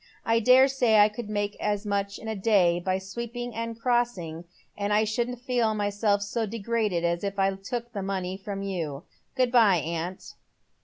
" I dare say I could make as much in a day by sweeping a crossing, and I shouldn't feel myself so degraded as if I took the money from you. Good bye, aunt."